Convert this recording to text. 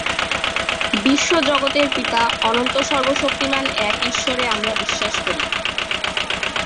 বিশ্বজগতের পিতা, অনন্ত সর্বশক্তিমান এক ঈশ্বরে আমরা বিশ্বাস করি।